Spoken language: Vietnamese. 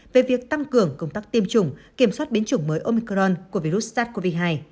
về việc tăng cường công tác tiêm chủng kiểm soát biến chủng mới omicron của virus sars cov hai